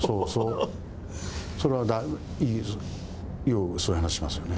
それはそういう話をしますよね。